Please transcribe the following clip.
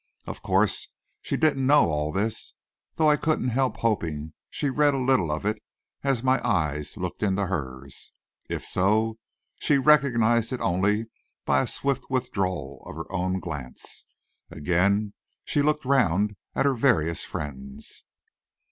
Of course she didn't know all this, though I couldn't help hoping she read a little of it as my eyes looked into hers. If so, she recognized it only by a swift withdrawal of her own glance. Again she looked round at her various friends.